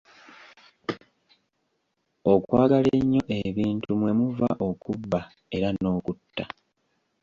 Okwagala ennyo ebintu mwe muva okubba era n'okutta.